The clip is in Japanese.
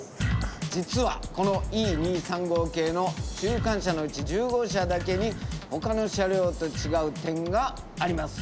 実はこのＥ２３５系の中間車のうち１０号車だけに他の車両と違う点があります。